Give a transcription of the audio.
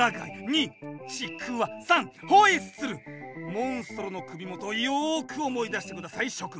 モンストロの首元をよく思い出してください諸君。